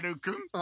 あ。